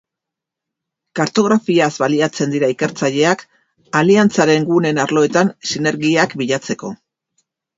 Kartografiaz baliatzen dira ikertzaileak aliantzaren guneen arloetan sinergiak bilatzeko.